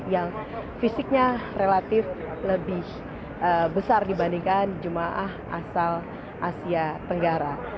yang fisiknya relatif lebih besar dibandingkan jemaah asal asia tenggara